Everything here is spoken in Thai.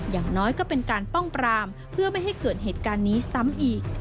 อย่างน้อยก็เป็นการป้องปรามเพื่อไม่ให้เกิดเหตุการณ์นี้ซ้ำอีก